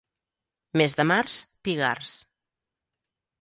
Mes de març, pigards.